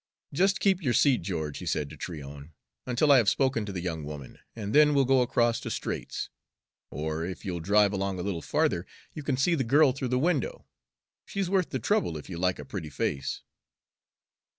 "Just keep your seat, George," he said to Tryon, "until I have spoken to the young woman, and then we'll go across to Straight's. Or, if you'll drive along a little farther, you can see the girl through the window. She's worth the trouble, if you like a pretty face."